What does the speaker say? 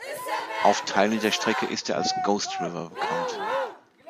Auf Teilen der Strecke ist er als "Ghost River" bekannt.